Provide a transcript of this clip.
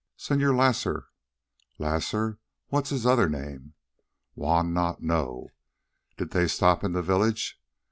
"Señor Lasar." "Lasar. What's his other name?" "Juan not know." "Did they stop in the village?"